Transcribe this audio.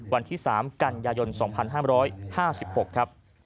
วันที่๓กันยายน๒๕๕๖ครับ